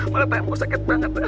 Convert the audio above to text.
malah tangan gue sakit banget